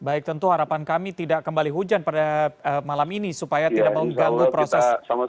baik tentu harapan kami tidak kembali hujan pada malam ini supaya tidak mengganggu proses